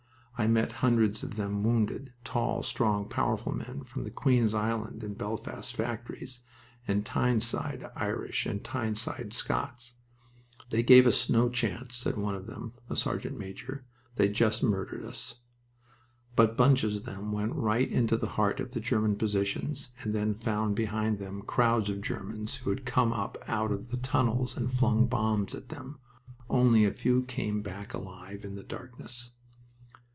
I met hundreds of them wounded tall, strong, powerful men, from Queen's Island and Belfast factories, and Tyneside Irish and Tyneside Scots. "They gave us no chance," said one of them a sergeant major. "They just murdered us." But bunches of them went right into the heart of the German positions, and then found behind them crowds of Germans who had come up out of their tunnels and flung bombs at them. Only a few came back alive in the darkness.